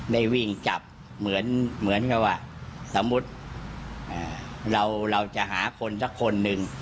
ได้วิ่งจับเหมือนกับว่าสมมุติเราจะหาคนสักคนหนึ่ง